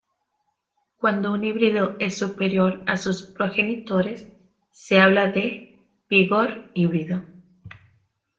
Cuando un híbrido es superior a sus progenitores se habla de "vigor híbrido".